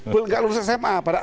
tidak lulus sma